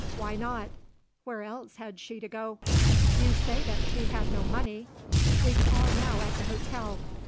Why not? Where else had she to go? You say that she had no money. We call now at the hotel.